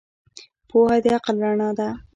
پوهه د عقل رڼا ده.